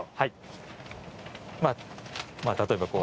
例えばこう。